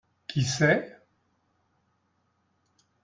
Qui c'est ?